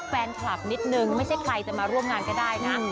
แฟนคลับนิดนึงไม่ใช่ใครจะมาร่วมงานก็ได้นะ